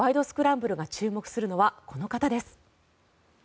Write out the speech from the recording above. スクランブル」が注目するのはこの方です。